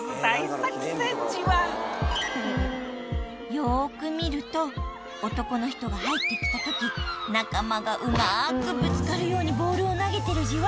よく見ると男の人が入って来た時うまくぶつかるようにボールを投げてるじわ。